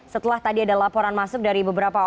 setelah tadi ada laporan masuk dari beberapa orang